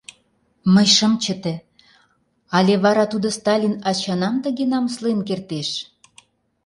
Мый шым чыте, але вара тудо Сталин ачанам тыге намыслен кертеш?